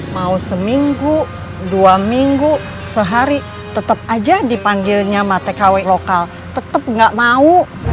mau seminggu dua minggu sehari tetep aja dipanggil nyama tkw lokal tetep gak mau